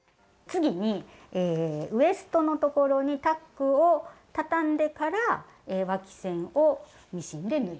次にウエストの所にタックをたたんでからわき線をミシンで縫います。